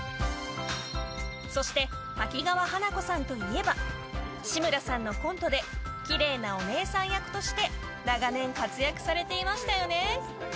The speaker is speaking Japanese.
そして、多岐川華子さんといえば志村さんのコントできれいなお姉さん役として長年、活躍されていましたよね。